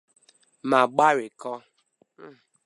ma gbarikọọ.